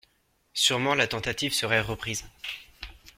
Sûrement la tentative serait reprise.